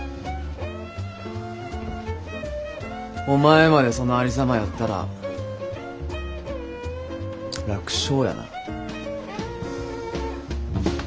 お前までそのありさまやったら楽勝やな。